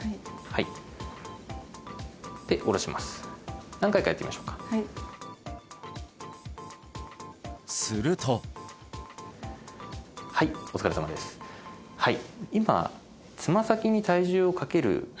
はいで下ろします何回かやってみましょうかはいするとはいお疲れさまですはい